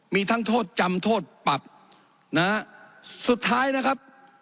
มีทั้งโทษจำโทษปรับนะฮะสุดท้ายนะครับ